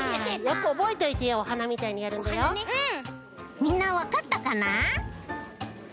みんなわかったかな？